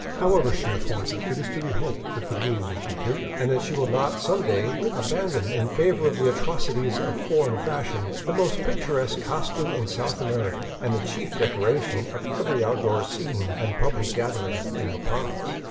However she affords it, it is to be hoped that the means will continue, and that she will not some day abandon in favor of the atrocities of foreign fashions the most picturesque costume in South America, and the chief decoration of every outdoor scene and public gathering in La Paz.